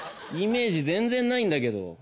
イメージ全然ないんだけど。